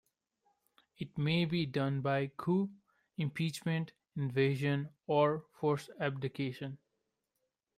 It may be done by coup, impeachment, invasion, or forced abdication.